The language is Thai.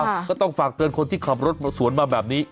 ก็ต้องฝากเตือนคนที่ขับรถสวนมาแบบนี้